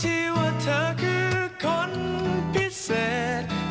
ทำไหนขนมโต๊ะเกรียวของดิฉันล่ะคุณ